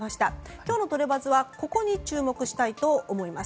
今日のトレバズはここに注目したいと思います。